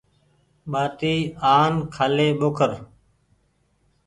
ٻآٽي آن کآلي ٻوکر۔